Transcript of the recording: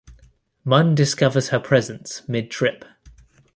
Munn discovers her presence mid-trip.